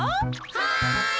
はい！